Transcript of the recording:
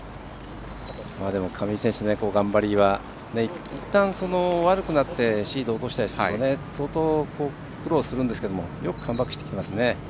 でも、上井選手の頑張りはいったん悪くなってシードを落としたんですけど相当、苦労するんですけどよくカムバックしましたよね。